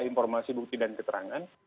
informasi bukti dan keterangan